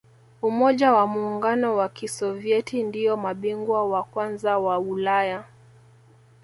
umoja wa muungano wa kisovieti ndiyo mabingwa wa kwanza wa ulaya